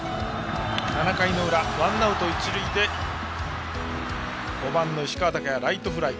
７回の裏、ワンアウト一塁で５番の石川昂弥、ライトフライ。